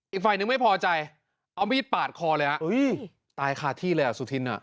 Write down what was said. อีกฝ่ายนึงไม่พอใจเอามีดปาดคอเลยฮะอุ้ยตายคาที่เลยอ่ะสุธินอ่ะ